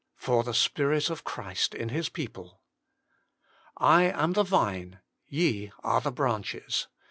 |For ih* Spirit of Qthrist in His " I am the Vine, ye are the branches."